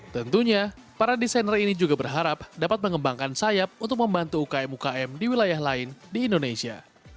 tentunya para desainer ini juga berharap dapat mengembangkan sayap untuk membantu ukm ukm di wilayah lain di indonesia